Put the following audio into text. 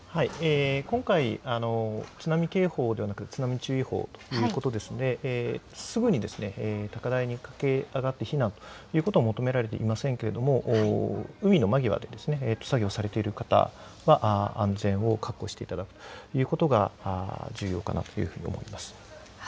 今回、津波警報ではなく津波注意報ということですぐに高台に駆け上がって避難ということは求められていませんが、海の間際で作業されている方は、安全を確保ししていただくということが重要かと思います。